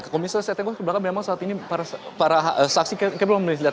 ketika saya tengok ke belakang memang saat ini para saksi saya belum melihat